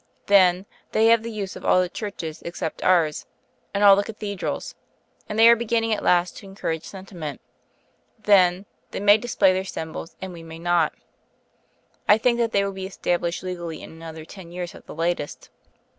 Then, they have the use of all the churches except ours, and all the Cathedrals; and they are beginning at last to encourage sentiment. Then, they may display their symbols and we may not: I think that they will be established legally in another ten years at the latest.